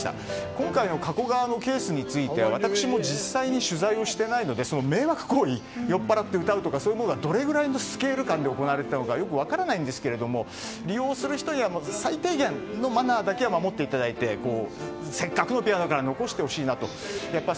今回の加古川のケースについては私も実際に取材をしていないので迷惑行為酔っぱらって歌うというのがどれくらいのスケール感で行われていたのか分からないんですが利用する人は最低限のマナーだけは守っていただいてせっかくのピアノだから残してほしいなと。